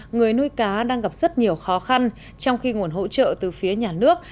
người nuôi cá đang gặp rất nhiều khó khăn trong khi nguồn hỗ trợ từ phía nhà nước